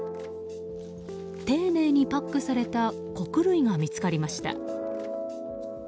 丁寧にパックされた穀類が見つかりました。